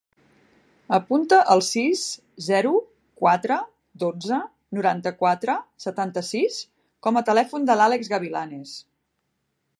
Apunta el sis, zero, quatre, dotze, noranta-quatre, setanta-sis com a telèfon de l'Àlex Gavilanes.